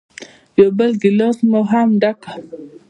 یو بل ګیلاس مو هم ډک کړ.